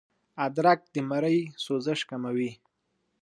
ادرک د مرۍ سوزش کموي